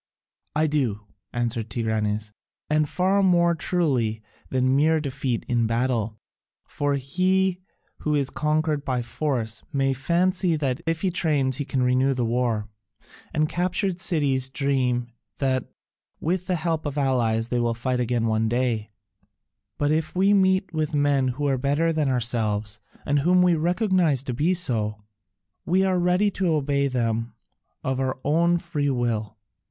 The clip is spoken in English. "I do," answered Tigranes, "and far more truly than mere defeat in battle. For he who is conquered by force may fancy that if he trains he can renew the war, and captured cities dream that with the help of allies they will fight again one day, but if we meet with men who are better than ourselves and whom we recognise to be so, we are ready to obey them of our own free will."